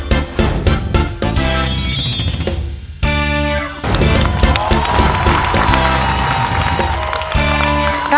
ขอบคุณครับ